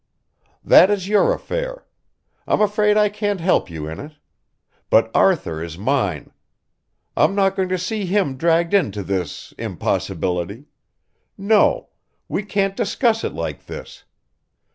"That is your affair. I'm afraid I can't help you in it. But Arthur is mine. I'm not going to see him dragged into this ... impossibility. No ... we can't discuss it like this.